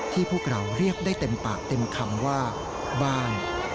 พวกเราเรียกได้เต็มปากเต็มคำว่าบ้าน